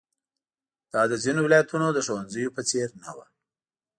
دا د ځینو ولایتونو د ښوونځیو په څېر نه وه.